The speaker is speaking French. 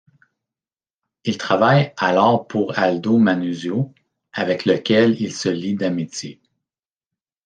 Il travaille alors pour Aldo Manuzio, avec lequel il se lie d'amitié.